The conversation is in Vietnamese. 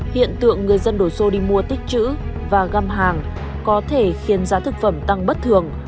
hiện tượng người dân đổ xô đi mua tích chữ và găm hàng có thể khiến giá thực phẩm tăng bất thường